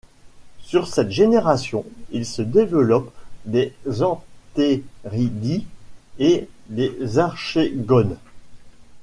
Sur cette génération, il se développe des anthéridies et des archégones.